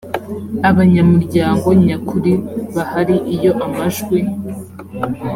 abanyamuryango nyakuri bahari iyo amajwi